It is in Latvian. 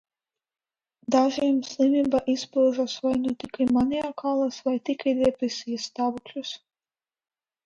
Dažiem slimība izpaužas vai nu tikai maniakālos vai tikai depresijas stāvokļos.